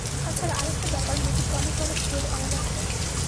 তা ছাড়া, আর একটা ব্যাপার মতি ক্রমে ক্রমে টের পাইয়াছে।